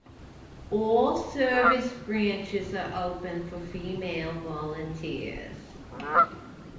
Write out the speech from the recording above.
All service branches are open for female volunteers.